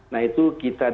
nah itu kita datang